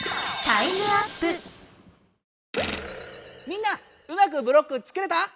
みんなうまくブロックつくれた？